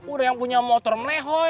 udah yang punya motor melehoi